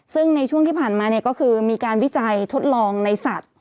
ซึ่งในช่วงที่ผ่านมาก็คือมีการวิจัยทดลองในสัตว์